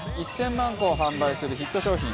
１０００万個を販売するヒット商品。